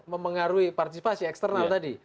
mempengaruhi partisipasi eksternal tadi